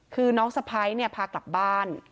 คือน้องสะพ้ายเนี่ยพากลับบ้าน